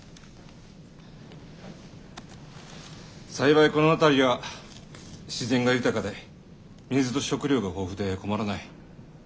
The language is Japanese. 幸いこの辺りは自然が豊かで水と食料が豊富で困らない。